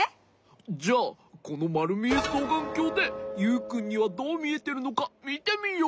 じゃこのまるみえそうがんきょうでユウくんにはどうみえてるのかみてみよう。